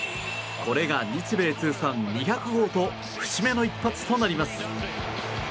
これが日米通算２００号と節目の一発となります。